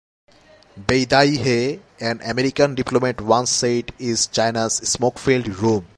"Beidaihe," an American diplomat once said, "is China's 'smoke-filled room.